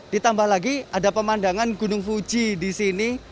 ditambah lagi ada pemandangan gunung fuji di sini